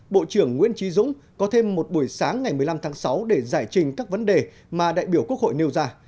bộ trưởng nguyễn trí dũng có thêm một buổi sáng ngày một mươi năm tháng sáu để giải trình các vấn đề mà đại biểu quốc hội nêu ra